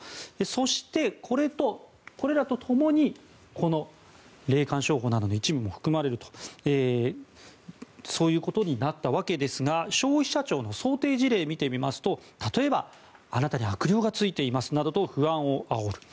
そして、これらと共に霊感商法等の一部が含まれるということになったわけですが消費者庁の想定事例を見てみると例えば、あなたに悪霊が憑いていますなどと不安をあおる。